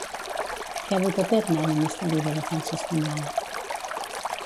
Què ha dut a terme el Ministeri de Defensa espanyol?